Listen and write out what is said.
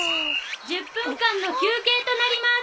・・１０分間の休憩となります。